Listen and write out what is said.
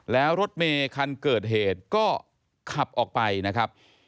แล้วรถเมคันเกิดเหตุก็ขับออกไปนะครับ